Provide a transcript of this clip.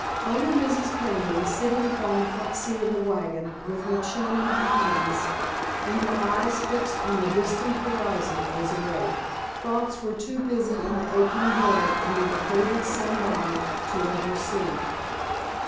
Only Mrs. Peniman, sitting upon the front seat of the wagon, with her chin in her hands, and her eyes fixed on the distant horizon, was awake. Thoughts were too busy in the aching head under the faded sunbonnet to let her sleep.